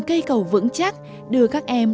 cây cầu vững chắc đưa các em